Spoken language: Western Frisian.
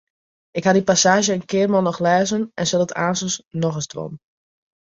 Ik haw dy passaazje in kearmannich lêzen en sil it aanstens noch ris dwaan.